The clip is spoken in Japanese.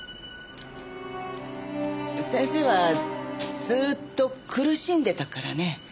先生はずっと苦しんでたからね。